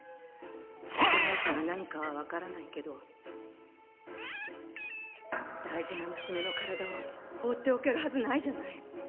しっぺ返しが何かは分からないけど大事なむすめの体を放っておけるはずないじゃない。